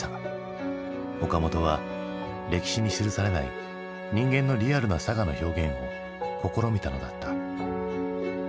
岡本は歴史に記されない人間のリアルなさがの表現を試みたのだった。